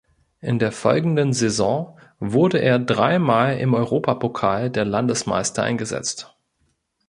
In der folgenden Saison wurde er dreimal im Europapokal der Landesmeister eingesetzt.